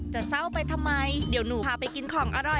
จะเศร้าไปทำไมเดี๋ยวหนูพาไปกินของอร่อย